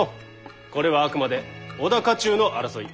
これはあくまで織田家中の争い。